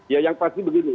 ya yang pasti begini